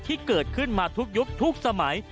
ที่เกิดขึ้นมาทุกยุคทุกสมัย